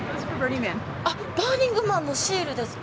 バーニングマンのシールですか？